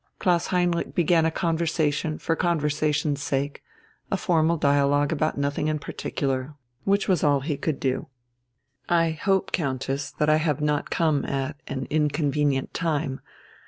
Klaus Heinrich began a conversation for conversation's sake, a formal dialogue about nothing in particular, which was all he could do. "I hope, Countess, that I have not come at an inconvenient time.